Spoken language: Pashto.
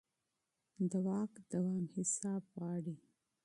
د واک دوام حساب غواړي